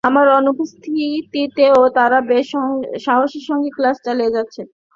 আমার অনুপস্থিতিতেও তারা বেশ সাহসের সঙ্গে ক্লাস চালিয়ে যাচ্ছে।